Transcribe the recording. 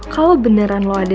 kalau beneran lo ada di dalam